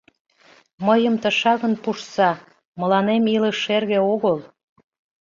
Мыйым тышакын пуштса: мыланем илыш шерге огыл.